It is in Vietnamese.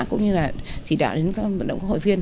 cũng như là chỉ đạo đến các vận động các hội viên